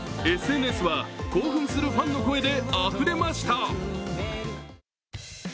ＳＮＳは興奮するファンの声であふれました。